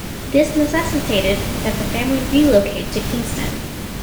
This necessitated that the family relocate to Kingston.